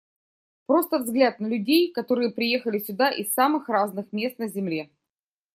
Просто взгляд на людей, которые приехали сюда из самых разных мест на земле.